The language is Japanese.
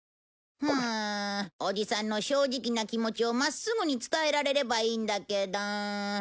うんおじさんの正直な気持ちを真っすぐに伝えられればいいんだけど。